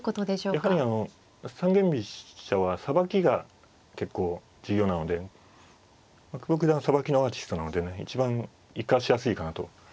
やはりあの三間飛車はさばきが結構重要なので久保九段はさばきのアーティストなのでね一番生かしやすいかなと。